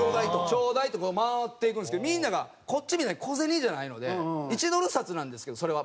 ちょうだいって回っていくんですけどみんながこっちみたいに小銭じゃないので１ドル札なんですけどそれは。